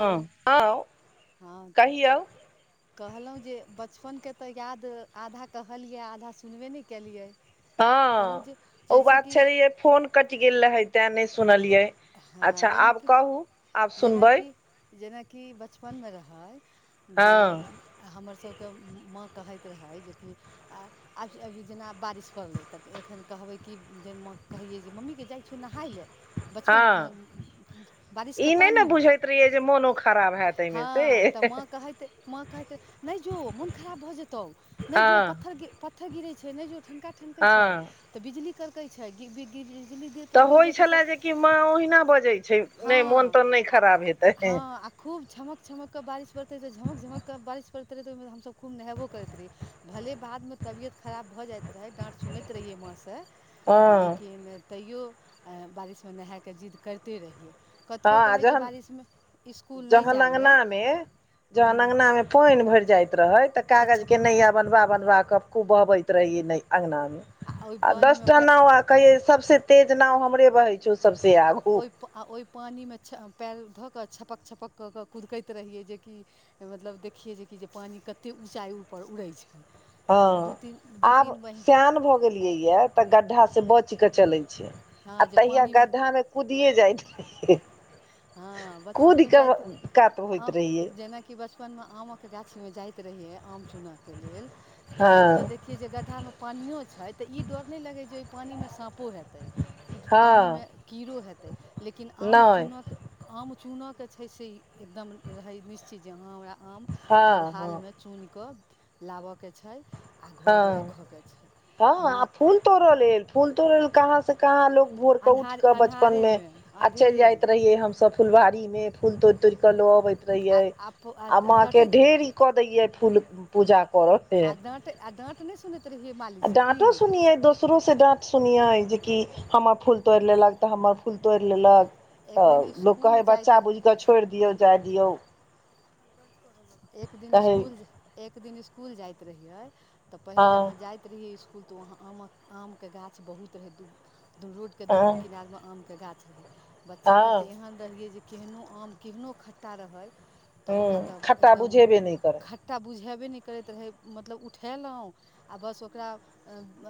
हँ आँ हँ कहिओ? कहलहुँ जे बचपनके तऽ याद आधा कहलियै आधा सुनबे नहि केलियै। कहलहुँ हँ जे ओ बात जैसेकि छल रहिै फोन कटि गेल रहै तैँ नहि सुनलियै। हँ अच्छा आब जेनाकि कहू आब सुनबै। जेनाकि जेनाकि बचपनमे रहै जे [unintelligible] हँ आ हमरसभके माँ कहैत रहै जेकि आ आज़ आब अभी जेना बारिश पड़लै तऽ एखन कहबै कि जे माँ कहिै जे मम्मीके जाइ छौ नहाय लए। बचपन हँ अ बारिश के ई नहि ने पानी मे बुझैत रहियै जे मोनो खराब हैत [unintelligible] एहिमे से हँ तऽ मत कइतै माँ कहैत नहि जो मोन खराब भऽ जेतौ नहि जो हँ पतर पत्थर गिरै छै नहि जो ठनका ठनकै छै हँ तऽ बिजली करकै छै [unintelligible] बिजली दे तऽ होइ छले जेक माँ ओहिना बजैत छै। हँ नहि मोन तोन नहि आ खराब हेतै [unintelligible] हँ खूब छमक छमकऽ बारिश पड़त रहैऽ झमक झमकके बारिश पत रहैऽ ओहिमेऽ हमब खूब नहब करैत रहिए। भले बादमे तबियत खराब भऽ जाइत रहै डाँट सुनैत रहियै माँसँ हँ लेकिन तैयो अय बारिशमे नहाय कऽ जिद्द करिते रहियै। कतको हँ कहे जे जहन बारिश में इस्कूल नहीं जाए लेय जहन अङ्गनामे पानि भरि जाइत रहै तऽ कागज केनेय बनबा बनब कऽ खुबा बैत रह ई नहि अंगना ओहि आ पानिमे दसट पए नवा कहि सबसे तेज नाव हमरे बहै छौ। सभसँ आ आगू ओहि प आ ओहि पानिमे पएर धऽ कऽ छपक छपक कऽ कऽ कुदकैत रहियै जेकि मतलब देखियै जेकि जे पानि कतेक ऊँचाइ ऊपर उड़ै छै। दू हँ तीन दू आब तीन बहीन स्यान भऽ गेल गेलिय य तऽ गड्ढा से बच के चले छै आ हँ जे तहिया पानिमे गड्ढा मे कुदिय जाइत [unintelligible] रहिए हंऽ बचपन में जाइत कात होइत आउ रहियै जेना कि बचपन मे आमक गाछी मे जाइत रहियै, आम चूनऽ के लेल तऽ ओतऽ हँ दे खिय जे गड्ढामे पानिओ छै, तऽ ई डर नहि लगै, जे ओहि पानिमे साँपो हेतै। ई हँ पानिमे कीड़ो हेतै, लेकिन आम नहि चूनके आम चूनक छै से एकदम रहै निश्चित, जे हँ हमराआम हँ हर हँ हालमे चुनिकऽ लाबऽके छै, आ घरमे रखऽके छै मां तोड़ लेल, फूल तोड़ले कहाँ से कहाँ लोग भोर क उठ अन्हार कऽ, बचपन मे अन्हारेमे आ चलि अन्धेरेमे जाइत रहियै, हमसभ फुलबारीमे फूल तोड़ि तोड़ि कऽ लऽ अबैत रहियै। आ माँके ढेरी कऽ दैयए फूल पूजा करयके ते आडाँट नहि सुनैत [inaudible] आ डाँटो सुनिय, दोसरो से डांट सुनियै जेकि हमर फूल तोड़ लेलक, तऽ हमर फूल तोड़ लेलक एक दिन तऽ लोक कहे इसकुल बच्चा जाइत बुझ त छोड़ि दियो, जे दियो। एक दिन कहै स्कूल, एक दिन स्कूल जाइत रहियै, तऽ पहिल हँ जहाँ जाय त रहिये स्कूल, त वहां आमक आम के गाछ बहुत रहै, दू रोड के दुनू हँ किनार में आम के गाछ रहै, बच्चामे हँ तऽ एहन रहियै, जे केहनो आम केहनो खट्टा रहै। तऽ हँ ओकरा तऽ खट्टा एकदम बुझेबे नहि करै खट्टा बुझेबे नहि करैत रहै, मतलब उठेलहुँ आ बस ओकरा।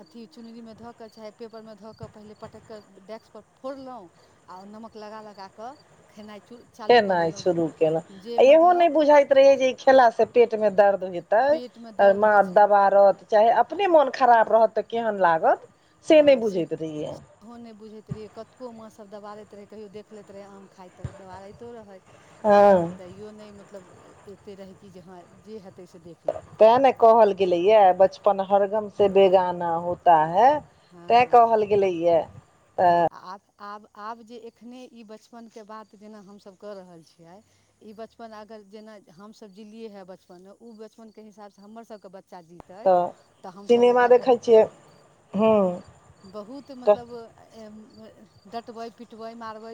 अथी चुनरी मे धऽ कऽ, चाहे पेपरमे धऽ कऽ, पहिले पटक कऽ डेस्कपर फोड़लहुँ। आ ओ नमक लगा-लगा कऽ खेनाइ चू खेनाइ शुरू केलहुं, आ इहो नहि मतलब बुझाइत रहै, जे ई खेलास पेट मे दर्द हे पेटमे तांय दर्द माँ होइ छै दबारत चाहे, अपने मोन खराब रहत तऽ केहन लागत। से नहि हाॅं, बुझैत रहियै सेह ओहो नहि बुझैत रहियै, कतको माँ सभ दबारैत रहै, कहियो देख लैत रहै आम खाइत तऽ, दबारैतो रहै। हँ लेकिन तैयो नहि, मतलब एते रहै कि, जे हेतै से देख लेब। ते ने कहल गेले ये, बचपन हरगम से बेगाना होता है। तैं कहल गेलै ये ऐं आ आब-आब-आब, जे एखने ई बचपनके बात जेना हमसब कऽ रहल छियै। ई बचपन अगर जेना, हमसभ जिलिये हे बचपनमे ओ बचपनके हिसाबसे हमरसभके बच्चा जी तऽ सिनेमा देखै छियै, हूॅं। बहुत मतलब, डँटबै-पिटबै मारबै।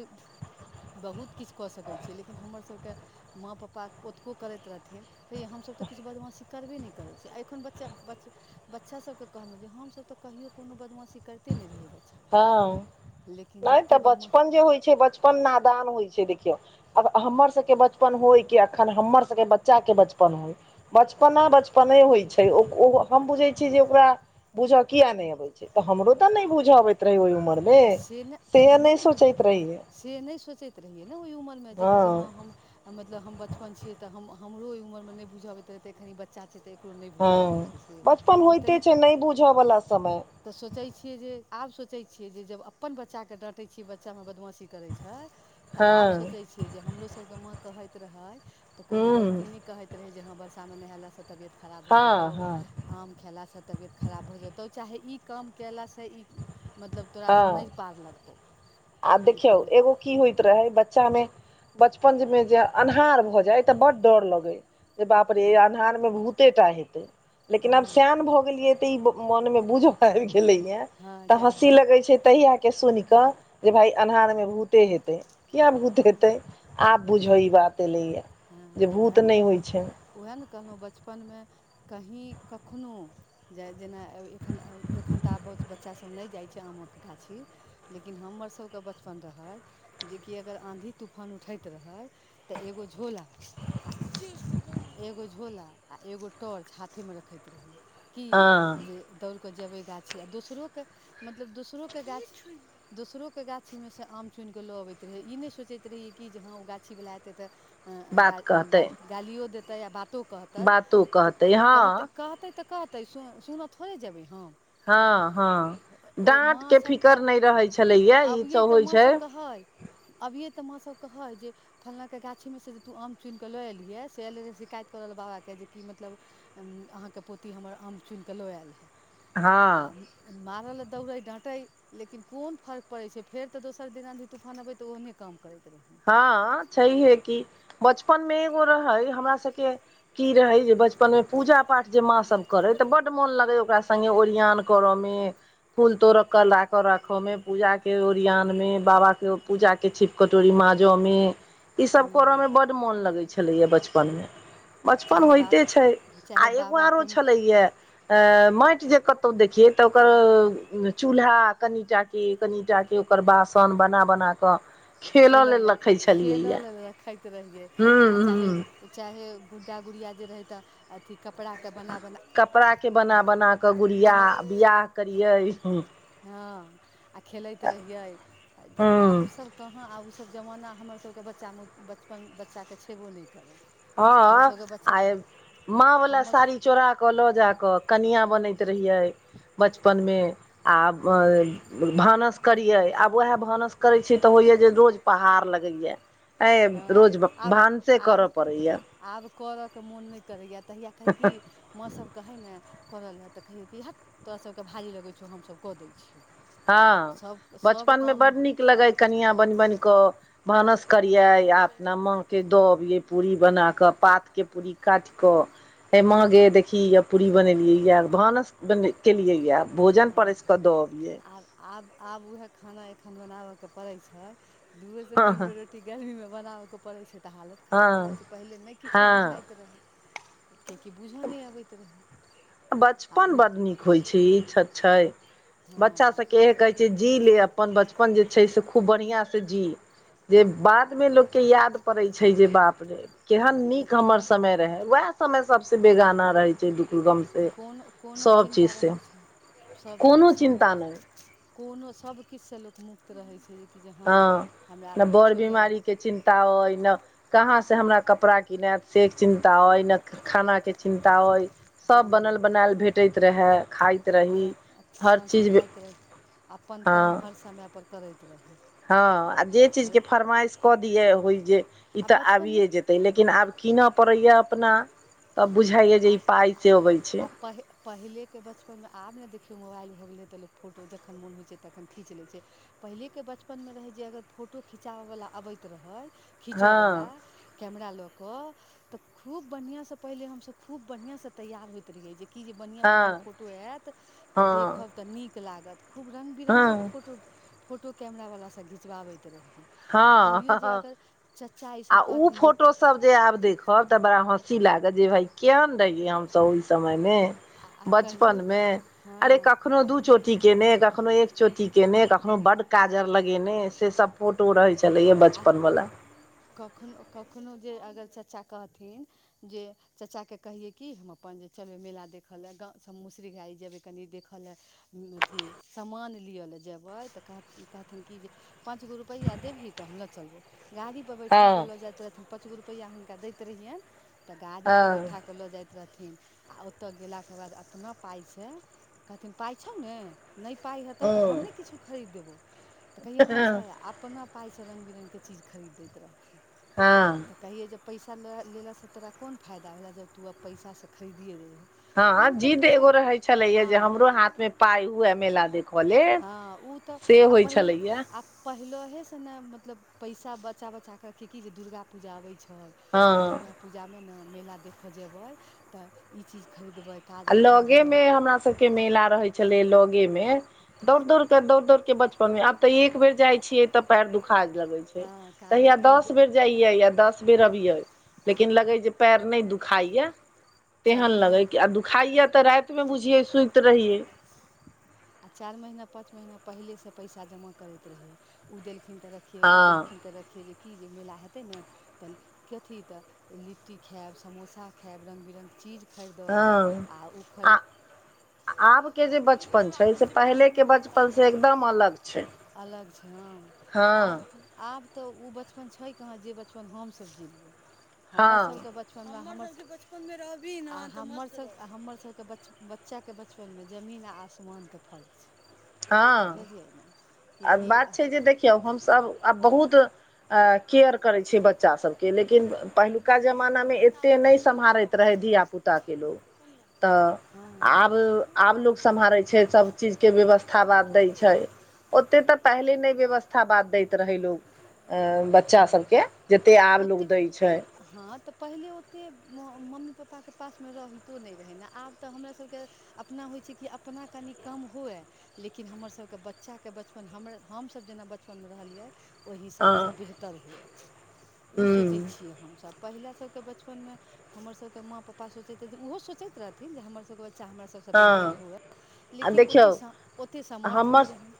बहुत किछ कऽ सकै छियै, लेकिन हमरसभके माँ पपा ओतबो करैत रहथिन। कहियै हमसभ तऽ किछ बदमाशी करबे नहि करै छी, आ एखन बच्चा बच्च बच्चा सभके कहलुॅं, जे हमसभ तऽ कहियो कोनो बदमाशी करिते नहि रहियै बच्चा हाॅं नहि तऽ बदमाशी बचपन जे होइ छै, बचपन नादान होइ छै देखियौ। आब हमर सबके बचपन होइ कि, अखन हमर सबके बच्चा के बचपन होइ, बचपना बचप पना होइ छै, ओ अ हम बुझैय छिये जे ओकरा बुझे किया नहि अबय तऽ हमरो तऽ नहि बुझऽ अबैत रहै, ओहि उमरमे तऽ नहि से नहि ने बुझै सोचैत रहियै। से नहि सोचैत रहियै ने ओहि उमरमे जेकि जे हाॅं हँ हम मतलब हम बचपन छियै तऽ हमरो ओहि उमरमे नहि बुझ अबैत रहै तऽ एखनि बच्चा छै। तऽ एकरो नहि बुझा आबै हँ छै, से बचपन ई तऽ होइते छै नहि। नहि बुझ बला समय। तऽ सोचै छियै जे आब सोचै छियै, जे जब अपन बच्चाके डाँटे छियै, बच्चामे बदमाशी करै छै। तऽ हँ आब सोचैय छियै, जे हमरोसभके माँ कहैत रहै, तऽ कोनो हूँ गलती नहि कहै रहै जे हाॅं वर्षा में नहेलासे तबियत खराब भऽ हँ जेतौ, हँ आम खयेलासे तबियत खराब भऽ जेतौ। चाहे ई काम कयलासे ई मतलब तोरासे नहि पार लगतौ। आब देखियो लेकिन एगो की होइत रहै, बच्चा में बचपन में जे अन्हार भऽ जाइ तऽ बड्ड डर लगै। जे बाप रे जे हँ अन्हार में भूतेटा हेते लेकिन आब हँ सयान भऽ गेलिये। ई मन मे बुझऽ आबि गेलेयऽ, हँ तऽ जे आब हँसी भूत लगे छै तहिया के सुन कऽ। जे भाइ अन्हारमे भूते हेतै, किया भूत हेतै आब तऽ बुझे ई बात एलैया। जे भूत नहि होइ छै। वएह ने कहलहुँ बचपन में कही कखनो जे जेना एखन-एखन तऽ आब बच्चा सब नहि जाइ छै, आमक गाछी। लेकिन हमर सबके बचपन रहैय जेकि अगर आँधी तूफान उठैत रहैय तऽ एगो झोला आ एगो झोला, आ एगो टॉर्च हाथेमे रखैत रहि। की हँ जे दौड़ कऽ जेबै गाछी आ दोसरोके मतलब दोसरोके गाछ। दोसरोके गाछी में से आम चुनि कऽ लऽ आबैत रहै, ई नहि सोचैत रहियै कि जे हाॅं ओ गाछीवला एतै तऽ। बात ग- कहतै गालि- गालिओ देतै, आ बातो कहतै बातो तऽ कहतै हँ कहतै-कहतै कहतै सु- सुनऽ थोड़े जेबै हम। हँ हँ ओ डाँट माँ के सब अ फिकर नहि रहै छलैया ई -अबियै सब तऽ होइ छै माँसभ कहै। अबिये तऽ माँसब कहै जे फंलाके गाछ गाछ में से जे तू आम चुनिकऽ लऽ एलिह से एल रहै शिकायत करऽ ले बाबा के जे कि मतलब अहाँके पोती हमर आम चुनिकऽ लऽ आयल हँ हँ आ मारऽलए दौड़ै डाँटै। लेकिन कोन फर्क पड़ैत छै, फेर तऽ दोसर दिन आँधी तूफान अबै तऽ ओहने काम करैत रह रहियै। हँ छैहे की बचपन मे एगो रहै हमरा सबके कि रहै जे बचपन मे पूजा -पाठ जे माँ सभ करै तऽ बड्ड मोन लगैए ओकरा सङ्गे ओरियान करऽ में। फूल तोड़ऽ क लाकऽ राखो में, पूजा के ओरियान में बाबा के पूजा के छिप- कटोरी मा जऽ में इ सब करऽ मे बड्ड मोन लगै छलैया बचपन में। बचपन चाहे बा होइते छै आ चाहे एगो बाबा आरो कोनो छलैया अ माटि जे कतौ देखियए तऽ ओकर चूल्हा कनिटा। के कनिटा के ओकर बासन बना -बना क खेलऽ खेलय लेल। लए रखै छलियै खेलय या लेल रखैत रहियै हूं आ चाहे हूं चाहे गुड्डा गुड़िया जे रहै तऽ अथी कपड़ा के बना के। कपड़ाके बना- बना कऽ गुड़िया बना बियाह करियै। हँ आ खेलैत रहिये हूं आब उ सब कहाँ आब ओसभ जमाना हमरसभके बच्चा- बचपन बच्चाकेँ छेबो नहि करै। हँ हमरसभके बच्चा आ तऽ माँ वला हमर साड़ी चोरा कलऽ जाकऽ कनिआ बनैत रहियै बचपन में आ हँ भानस करियै, आब उएह भानस करैत छीयै तऽ होइए जे रोज पहाड़ लगैया। अ हँ रोज आब भानस आब करब। आब करय के मोन नहि करैए तहिया कहै की माँ सब कहे ने करऽ लए, तऽ कहियै कि हट तोरा सबके भारी लगै छौ, हम-सब कऽ दै छियो। हँ बचपन में बड्ड नीक लगै कनिया बनि- बनि कऽ भानस करियै आ अपना माँके दऽ अबियै पूरी बनाकऽ पातके पूरी। काटि कऽ हे मां गै देखही हैया पूरी बनेलियै येए भानस बन केलियैये। भोजन हँ परैस कऽ दऽ अबियै। आब आब - आब वेहेए खाना एखन बनाबऽ के पड़ै छइ दू गो से तीन गो रोटी गर्मी मे बनाबऽ के पड़ै छै तऽ हालत खराब भ हँ जाइ छै पहिले नै किछो हँ बुझाइत रहै। कियेकि बूझऽ नै अबैत रहे। बचपन बड्ड नीक होइ छै इ छ छइ। बच्चा हँ सबके इएह कहै छियै जी लियऽ अपन बचपन जे छै से खूब बढ़ियां से जी जे बाद मे लोक के याद पड़ै छै जे बाप रे केहन जे नीक हमर समय रहे वेएह समय सब से बेगाना रहै छै दुख गम से कोनो - कोनो सब चिन्ता चीज से रहै छै सब किछ कोनो सँ चिन्ता नहि मुक्त कोनो सबकिछ से लोक मुक्त रहै छै जे कि जे हँ हमरा आब किछो नै ता अइ ने कहाँ से हमरा कपड़ा किनेएत। से चिन्ता अइ ने खाना के चिन्ता अइ सब बनल हँ बनायल भेट टैत रहे खाइत रही आराम - हर आराम से चीज खाइत रही अपन काम हँ हर समय पर करैत रही। हँ आ जे चीज के आ फरमाइश कऽ दियै होइ जे ई तऽ बचपनमे आबिये जेतै लेकिन आब कीनऽ पड़ैये अपना तब बुझाइये जे ई पाइ से अबै छै। पहिले के बचपन मे आब ने देखियौ मोबाइल भऽ गेलैए तऽ लोक फोटो जखन मोन होइ छै तखन खींच लै छै। पहिले के बचपन मे रहै जे अगर फोटो खिचाबऽ बला अबैत रहय खीचऽ हँ बला कैमरा लऽ कऽ तऽ खूब बढ़ियां स पहिले हम सब खूब बढ़ियां स तैयार होइत रहियै जे कि जे बढ़ियां- हँ बढ़ियां फोटो ऐत त हँ देखब तऽ नीक लागत। खूब रङ्ग हँ बिरङ्गक फोटो, फोटो कैमराबला से घिचबाबैत रहियै। आ हँ कहियो जे हँ अगर चच्चा ई सब कहथिन जे हम सब जे आब देखब त बड़ा हँसी लागत जे भाय कियान रहियै हम सब ओइ समय मे आ बचपन कहियो मे अरे हँ कखनो दू चोट चोटी केने कखनो एक चोटी केने कखनो बड्ड काजर लगेने से सब फोटो रहै छ। आ कखनो - कखनो जे अगर चच्चा कहथिन जे चचा के कहियै कि हम अपन जे चलबै मेला देखऽ ले गाव हम मुसरी घरारी जेबै कनि देखऽ लेए। अथि समान लियऽ ले जेबै त कहथि- कहथिन कि जे पाँच गो रूपैया देबही त हम लऽ चलबौ गाड़ी पर बैठा कऽ हँ लऽ जाइत रहथिन पाँच गो रुपैया हुनका दैत रहियैन। त गाड़ीपर हँ बैठा क लऽ जाइत रहथिन आ ओतऽ गेलाके बाद अपना पाइ से कहथिन पाइ छौ ने। नै पाइ हेतौ त हम हूँ नै किछो खरीद देबौ त कहियै हँ छय आ अपना पाइ से रङ बिरङ्ग के चीज खरीद दैत रहथिन। हँ। तऽ कहियै जे पैसा लेला लेला से तोरा कोन फायदा भेलऽ जब तू अब पैसा से खरिदिये देलह। हँ जिद्द एगो रहै छलैये जे हमरो हाथ मे पाय हुवे मेला देखऽ ले। तह आ पहिले पहिलहे से ने मतलब पैसा बचा - बचा क कि की जे दुर्गा पूजा अबै छइ। त हँ दुर्गा पूजा मे ने मेला देखऽ जेबई तऽ ई चीज खरीदबइ। आ लगे मे हमरा सबके मेला रहै छलैय लगे मे दौड़ -दौड़ के दौड़ -दौड़ के बचपन मे आब त एक बेर जाय छियै त पैर दुखा लगै छै। हँ काजल खरीद जाइयइ आ दस बेर अबियइ आ लेकिन लगै जे पेएर नै दुखाइ ये चारि तेहन लगै महीना कि आ दुखाइयए तऽ रातिमे बुझियै सुति रहियै। आ चारि महिना पाँच महीना पहिलेसँ पैसा जमा करैत रहिए उ देलखिन तऽ र रखे हँ ओ देलखिन तऽ रखे जे की जे मेला हेतै ने तऽ कथी तऽ लिट्टी खायएब समोसा खायब रङ्ग बिरङ्गके चीज खरीदब हँ आओ ओ आ खरीद आबके जे बचपन छै से पहिलेके बचपनसँ एकदम अलग छै। अलग छै हँ हँ आब तऽ आब तऽ ओ बचपन छै कहाँ जे बचपन हमसब जिलियै हँ हमर सबके बच बचन हम बचपन मे रह भी न हमर हमर सबके बच्चा के बचपन नमे जमीन आ आसमानके फर्क छै हँ बुझलियै ने किएकि कीय हमसभ आब बहुत केयर करै छियै बच्चा सबके लेकिन पहिलुका जमानामे एतेक नहि सम्हारैत रहै धियापुताके लोक। तऽ हँ आब आब लोक सम्हारै छै सब चीजके व्यवस्था यथा बाद दय छै ओते तऽ पहले न नहि व्यवस्था बाद दै छै। रहै लोक हँ बच्चा हँ सबके जतेक आब लोक ओतेक दै छै। हँ तऽ पहिले ओते मम्मी पपापाके पासमे रहितो नहि रहै ने आब तऽ हमराासभके अपना होइ छै कि अपना कनि कम हुए। लेकिन हमर सबके बच्चा के बचपन हमर हमसभ जेना बचपन मे रहलियै। ओहि हँ हिसाबसँ बेहतर हुए ओ हँ सोचै छियै हमसभब पहिले सबके बचपनमे हमर सबकेँ माँ पापा सोचैत रह ओहो सोचैत रहथि जे हमरसभके बच्चा हमर सभ सँ हँ बढ़िआँ हुए आ लेकिन देखियौ ओत ओतेक सामर्थ्य हमर नहि रहन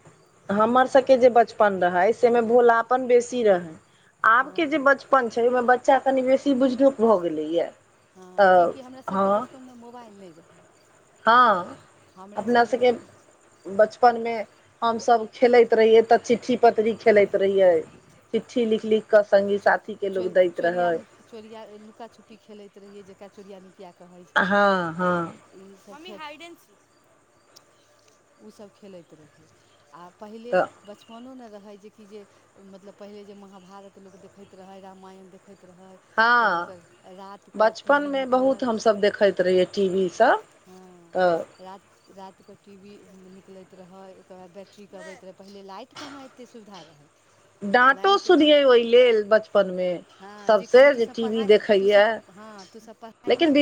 हमर सभके जे बचपन रहै सेमे भोलापन बेसी रहै। आबके जे हँ बचपन छै ओहिमे बच्चा कनि बेसी बुझनुक भऽ गेलैया। हँ किएकि हमरा सबके बचपनमे मोबाइल नहि रहै। हँ हमरा अपना सभके सबके बचपन बचपन में हमसब खेलैत रहियै तऽ चिठ्ठी पतरी खेलैत रहियै चिट्ठी लिख लिख कऽ सङ्गी साथीके लोको दैत रहै। चोरिआ लुकाछुप्पी खेलैत रहियै जकरा चोरआ नुकिया कहै छै। हँ हँ मम्मी हाइड एंड सी। ओसभ खेलैत रहियै आ पहिले तऽ बचप मोनो नहि रहै जेकि जे मतलब पहिले जे महाभारत लोक देखैत रहै रामायण देखैत रहै। तऽ लोक हँ रातिके टी वी बचपनमे निकलै। बहुत हमसभ देखैत रहियै टी वी सभ हँ तऽ राइत रातिक टी वी निकलैत रहै ओकर बाद बैट्ररी करैत रहै पहिले लाइट कहाँ एतेक सुविधा रहल। डाँटो सुनिये ओहि लेल बचपन मे हँ जेकि जे तू सब पढ़ाइ तूसभ हँ तू सब पढ़ाइ नई। लेकिन